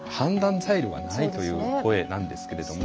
材料がないという声なんですけれども。